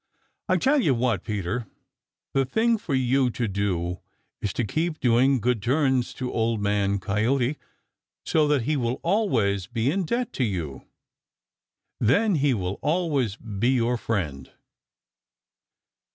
I tell you what, Peter, the thing for you to do is to keep doing good turns to Old Man Coyote so that he will always be in debt to you. Then he will always be your friend."